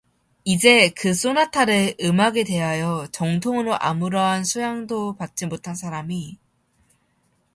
이제 그 소나타를 음악에 대하여 정통으로 아무러한 수양도 받지 못한 사람이